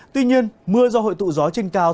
tuy nhiên mưa do hội tụ gió trên cao